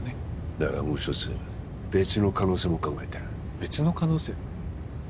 だがもう一つ別の可能性も考えてる別の可能性？